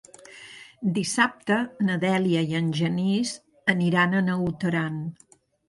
Dissabte na Dèlia i en Genís aniran a Naut Aran.